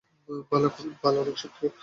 বাল অনেক শক্ত।